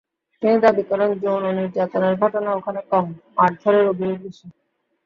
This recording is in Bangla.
তিনি দাবি করেন, যৌন নির্যাতনের ঘটনা ওখানে কম, মারধরের অভিযোগ বেশি।